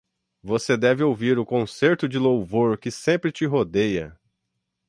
Você deve ouvir o concerto de louvor que sempre te rodeia!